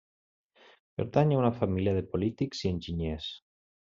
Pertany a una família de polítics i enginyers.